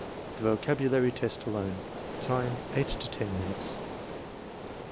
The vocabulary test alone. Time, 8 to 10 minutes.